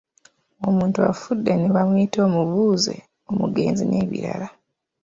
Omuntu afudde ne bamuyita omubuze, omugenzi n'ebirala.